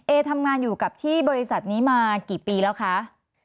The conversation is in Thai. เอทำงานอยู่กับที่บริษัทนี้มากี่ปีแล้วคะ